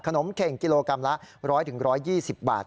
ขนมเข่งกิโลกรัมละ๑๐๐๑๒๐บาท